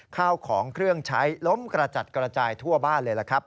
ข้าวของเครื่องใช้ล้มกระจัดกระจายทั่วบ้านเลยล่ะครับ